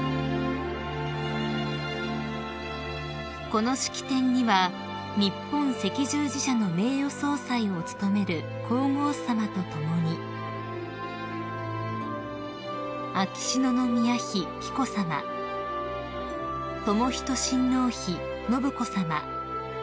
［この式典には日本赤十字社の名誉総裁を務める皇后さまと共に秋篠宮妃紀子さま仁親王妃信子さま